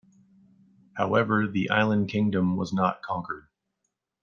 However, the island kingdom was not conquered.